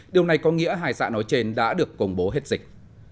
điều này có nghĩa hai xã nói trên đã được công bố hết dịch